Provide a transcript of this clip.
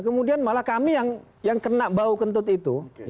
kemudian malah kami yang kena bau kentut itu